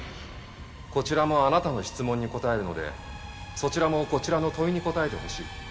こちらもあなたの質問に答えるのでそちらもこちらの問いに答えてほしい。